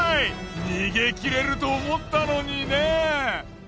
逃げきれると思ったのにね。